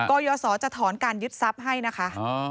กรยศจะถอนการยึดทรัพย์ให้นะคะ